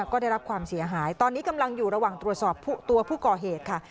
ก็ได้รับความเสียหายตอนนี้กำลังอยู่ระหว่างตรวจสอบตัวผู้ก่อเหตุค่ะ